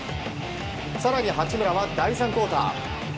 更に八村は第３クオーター。